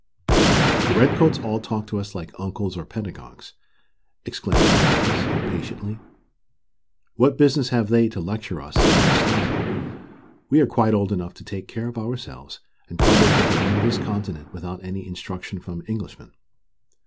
"The Redcoats all talk to us like uncles or pedagogues," exclaimed Americus, impatiently. "What business have they to lecture us in this style? We are quite old enough to take care of ourselves, and quite able to run this continent without any instruction from Englishmen.